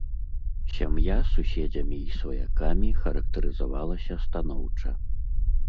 Сям'я суседзямі і сваякамі характарызавалася станоўча.